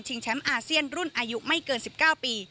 แชมป์อาเซียนรุ่นอายุไม่เกิน๑๙ปี